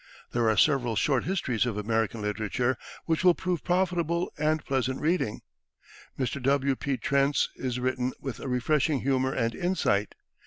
There are several short histories of American literature which will prove profitable and pleasant reading. Mr. W. P. Trent's is written with a refreshing humor and insight.